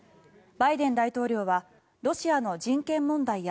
バイデン大統領はロシアの人権問題や